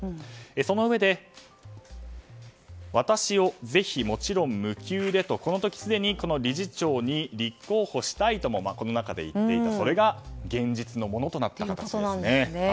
そのうえで私をぜひ、もちろん無給でとこの時すでに理事長に立候補したいともこの中で言っていたそれが現実のものとなったんです。